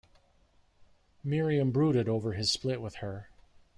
Miriam brooded over his split with her.